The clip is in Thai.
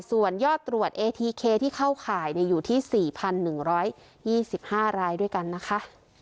ส่วนยอดตรวจเอทีเคที่เข้าขายเนี่ยอยู่ที่สี่พันหนึ่งร้อยยี่สิบห้ารายด้วยกันนะคะ